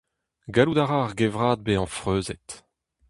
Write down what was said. Gallout a ra ar gevrat bezañ freuzet.